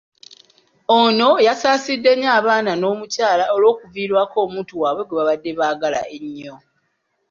Ono yasaasidde nnyo abaana n'omukyala olw'okuviirwako omuntu waabwe gwebabadde baagala ennyo.